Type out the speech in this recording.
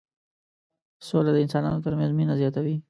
سوله د انسانانو ترمنځ مينه زياتوي.